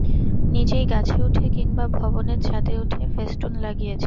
নিজেই গাছে উঠে কিংবা ভবনের ছাদে উঠে ফ্যাস্টুন লাগিয়েছে।